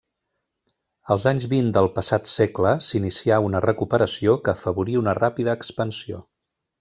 Als anys vint del passat segle s'inicià una recuperació que afavorí una ràpida expansió.